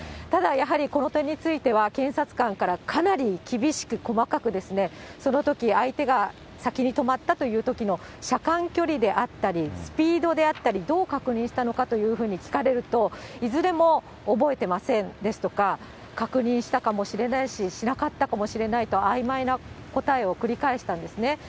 ただやはり、この点については検察官からかなり厳しく、細かく、そのとき相手が先に止まったというときの車間距離であったり、スピードであったり、どう確認したのかというふうに聞かれると、いずれも覚えてませんですとか、確認したかもしれないし、しなかったかもしれないと、あいまいな答えを繰り返したんですね。